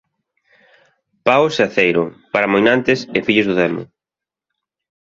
paos e aceiro, para moinantes e fillos do demo.